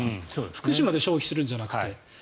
福島で消費するんじゃなくて。